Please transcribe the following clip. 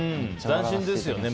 斬新ですよね。